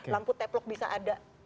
lampu teplok bisa ada